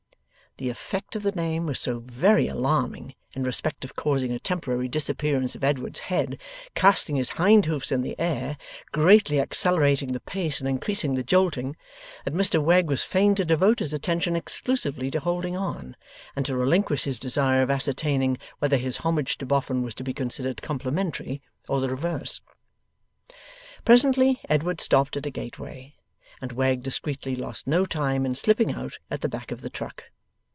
The effect of the name was so very alarming, in respect of causing a temporary disappearance of Edward's head, casting his hind hoofs in the air, greatly accelerating the pace and increasing the jolting, that Mr Wegg was fain to devote his attention exclusively to holding on, and to relinquish his desire of ascertaining whether this homage to Boffin was to be considered complimentary or the reverse. Presently, Edward stopped at a gateway, and Wegg discreetly lost no time in slipping out at the back of the truck.